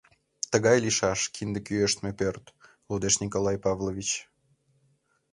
— «Тыгай лийшаш кинде кӱэштме пӧрт», — лудеш Николай Павлович.